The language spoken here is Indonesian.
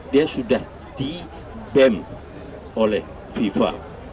dia sudah di bem oleh fifa